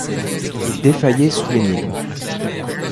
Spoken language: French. Il défaillait sous l’énigme.